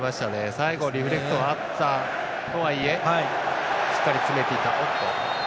最後、リフレクトあったとはいえしっかり詰めていた。